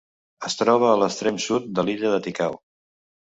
Es troba a l'extrem sud de l'illa de Ticao.